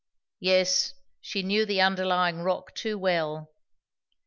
Yes, she knew the underlying rock too well.